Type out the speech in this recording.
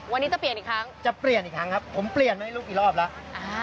วันนี้จะเปลี่ยนอีกครั้งจะเปลี่ยนอีกครั้งครับผมเปลี่ยนมาไม่รู้กี่รอบแล้ว